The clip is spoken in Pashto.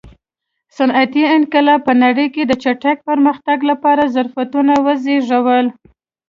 صنعتي انقلاب په نړۍ کې د چټک پرمختګ لپاره ظرفیتونه وزېږول.